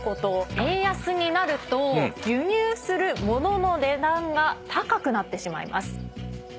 円安になると輸入する物の値段が高くなってしまいます。